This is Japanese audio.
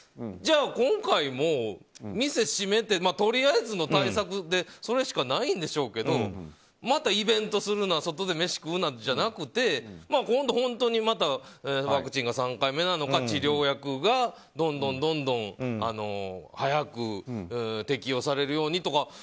じゃあ、今回も店閉めてとりあえずの対策でそれしかないんでしょうけどまたイベントするな外で飯食うなじゃなくて今度、本当にまたワクチンが３回目なのか治療薬がどんどん早く適用されるようにとか